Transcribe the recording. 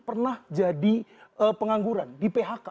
pernah jadi pengangguran di phk